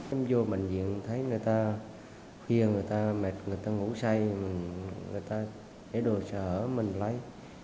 em vô bệnh viện thấy người ta khuya người ta mệt người ta ngủ say người ta để đồ sở mình lấy